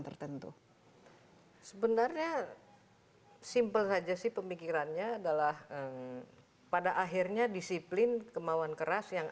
tertentu sebenarnya simpel saja sih pemikirannya adalah pada akhirnya disiplin kemauan keras yang